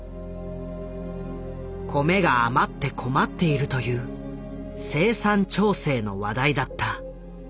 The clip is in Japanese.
米が余って困っているという「生産調整」の話題だった。